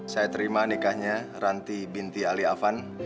saya terima nikahnya ranti binti ali afan